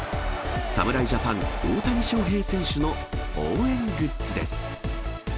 侍ジャパン、大谷翔平選手の応援グッズです。